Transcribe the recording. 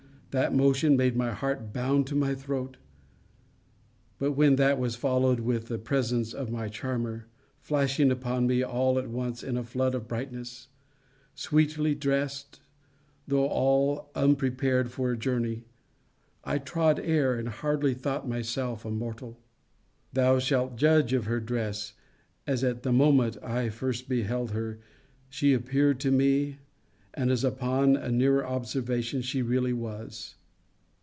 That motion made my heart bound to my throat. But when that was followed with the presence of my charmer, flashing upon me all at once in a flood of brightness, sweetly dressed, though all unprepared for a journey, I trod air, and hardly thought myself a mortal. Thou shalt judge of her dress, as at the moment I first beheld her she appeared to me, and as, upon a nearer observation, she really was.